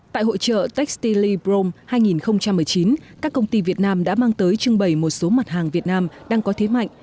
tại hội trợ textile prom hai nghìn một mươi chín các công ty việt nam đã mang tới trưng bày một số mặt hàng việt nam đang có thế mạnh